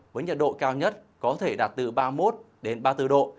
với nhiệt độ cao nhất có thể đạt từ ba mươi một đến ba mươi bốn độ